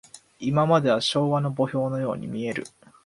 いまでは昭和の墓標のように見える。